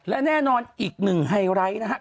และแน่นอนอีกหนึ่งไฮไลท์นะครับ